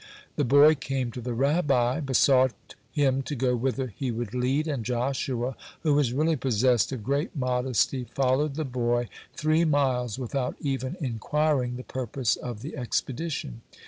The boy came to the Rabbi, besought him to go whither he would lead, and Joshua, who was really possessed of great modesty, followed the boy three miles without even inquiring the purpose of the expedition.